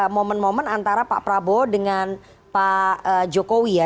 momen momen antara pak prabowo dengan pak jokowi ya